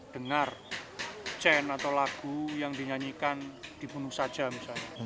dengar cend atau lagu yang dinyanyikan di bunuh saja misalnya